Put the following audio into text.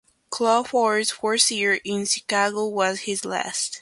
Crawford's fourth year in Chicago was his last.